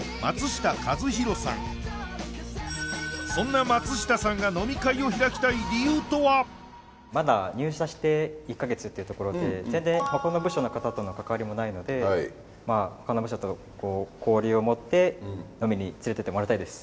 そんな松下さんがまだ入社して１か月というところで全然他の部署の方との関わりもないのでまあ他の部署と交流を持って飲みに連れてってもらいたいです